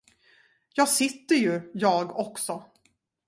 Jag sitter ju, jag också.